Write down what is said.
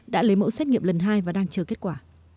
đã lấy mẫu xét nghiệm lần hai và đang chờ kết quả